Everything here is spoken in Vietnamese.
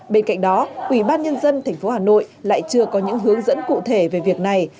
bên cạnh đó ủy ban nhân dân tp hà nội lại chưa có những hướng dẫn cụ thể về việc này